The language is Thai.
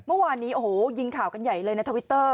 เมื่อวานนี้โอ้โหยิงข่าวกันใหญ่เลยในทวิตเตอร์